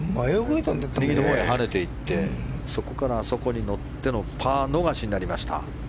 跳ねていってそこからあそこにいってのパー逃しになりました。